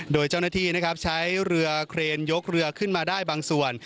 โดยเจ้าหน้าที่นะครับใช้เรือเครนยกเรือขึ้นมาได้บางส่วน